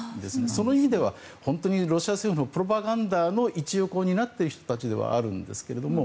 その意味では本当にロシア政府のプロパガンダの一翼を担っている人たちではあるんですけど。